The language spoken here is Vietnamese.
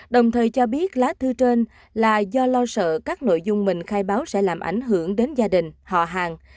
đồng thời cho biết lá thư trên là do lo sợ các nội dung mình khai báo sẽ làm ảnh hưởng đến gia đình họ hàng